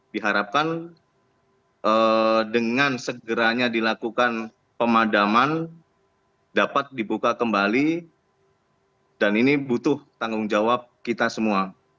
diharapkan dengan segeranya dilakukan pemadaman dapat dibuka kembali dan ini butuh tanggung jawab kita semua